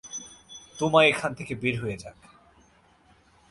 তোমায় এখান থেকে বের করা যাক।